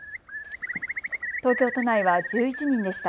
東京都内は１１人でした。